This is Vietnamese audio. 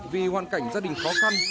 vì hoàn cảnh gia đình khó khăn